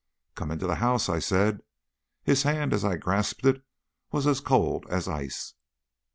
"Come into the house," I said. His hand, as I grasped it, was as cold as ice.